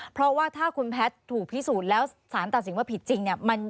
เพราะว่าถ้าคุณแพทย์ถูกพิสูจน์แล้วสารตัดสินว่าผิดจริงเนี่ย